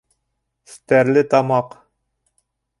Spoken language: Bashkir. Стәрлетамаҡ.